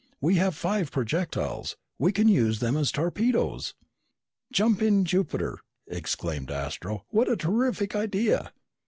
"We have five projectiles! We can use them as torpedoes!" "Jumping Jupiter!" exclaimed Astro. "What a terrific idea!"